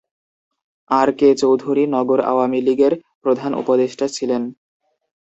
আর K Chowdhury নগর আওয়ামী লীগের প্রধান উপদেষ্টা ছিলেন।